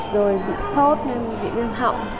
rồi bị sốt bị viêm họng